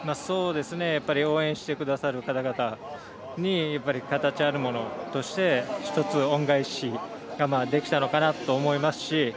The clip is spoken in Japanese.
応援してくださる方々に形あるものとして１つ、恩返しができたのかなと思いますし